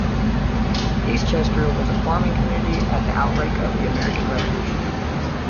Eastchester was a farming community at the outbreak of the American Revolution.